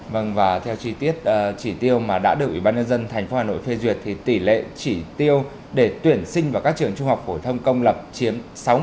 vâng và theo chi tiết chỉ tiêu mà đã được ủy ban nhân dân tp hà nội phê duyệt thì tỷ lệ chỉ tiêu để tuyển sinh vào các trường trung học phổ thông công lập chiếm sáu mươi